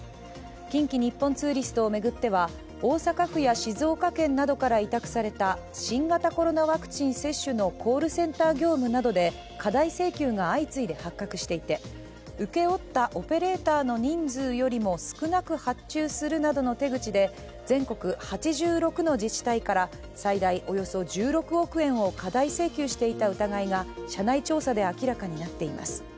近畿日本ツーリストを巡っては大阪府や静岡県などから委託された新型コロナワクチン接種のコールセンター業務などで過大請求が相次いで発覚していて請け負ったオペレーターの人数よりも少なく発注するなどの手口で全国８６の自治体から最大およそ１６億円を過大請求していた疑いが社内調査で明らかになっています。